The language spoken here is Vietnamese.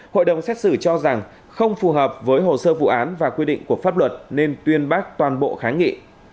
hội đồng xét xử cho rằng không phù hợp với hồ sơ vụ án và quy định của pháp luật nên tuyên bác toàn bộ kháng nghị